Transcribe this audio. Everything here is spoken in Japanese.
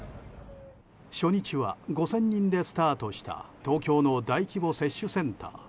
初日は５０００人でスタートした東京の大規模接種センター。